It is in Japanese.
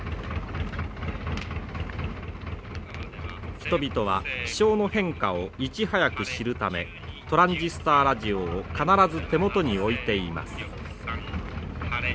人々は気象の変化をいち早く知るためトランジスターラジオを必ず手元に置いています。